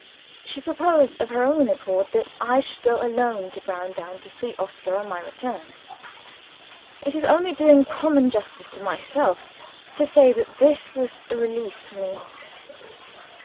She proposed of her own accord that I should go alone to Browndown to see Oscar on my return. It is only doing common justice to myself to say that this was a relief to me.